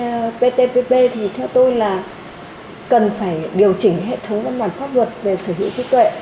để mà thích ứng với cptpp thì theo tôi là cần phải điều chỉnh hệ thống văn bản pháp luật về sở hữu trí tuệ